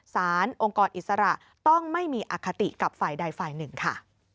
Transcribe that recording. สารองค์กรอิสระต้องไม่มีอคติกับฝ่ายใดฝ่ายหนึ่งค่ะ